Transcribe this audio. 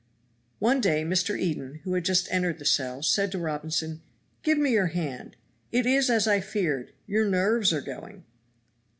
One day Mr. Eden, who had just entered the cell, said to Robinson, "Give me your hand. It is as I feared, your nerves are going."